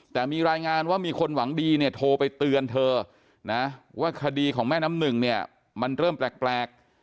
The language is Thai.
แต่มีรายงานว่ามีคนหวังดีเนี่ยโทรไปเตือนเธอนะว่าคดีของแม่น้ำหนึ่งเนี่ยมันเริ่มแปลก